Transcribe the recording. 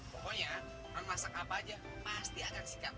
pokoknya non masak apa aja pasti akan sikat